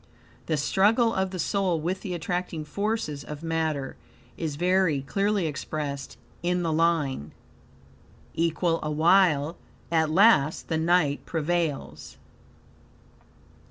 The struggle of the soul with the attracting forces of matter is very clearly expressed in the line: "Equal awhile, at last the night prevails."